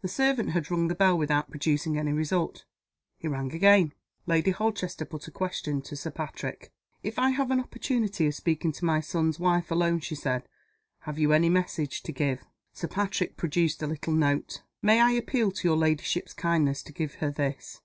The servant had rung the bell without producing any result. He rang again. Lady Holchester put a question to Sir Patrick. "If I have an opportunity of speaking to my son's wife alone," she said, "have you any message to give?" Sir Patrick produced a little note. "May I appeal to your ladyship's kindness to give her this?"